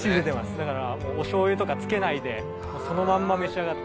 だからおしょうゆとかつけないでそのまま召し上がって。